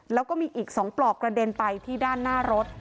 แล้วก็มีอีก๒ปลอกกระเด็นไปที่ด้านหน้ารถ